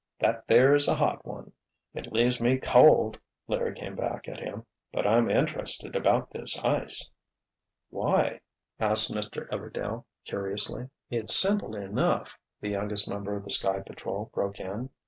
"That there's a hot one!" "It leaves me 'cold'," Larry came back at him. "But I'm interested about this ice." "Why?" asked Mr. Everdail, curiously. "It's simple enough," the youngest member of the Sky Patrol broke in.